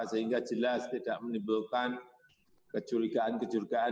sehingga jelas tidak menimbulkan kejurigaan kejurigaan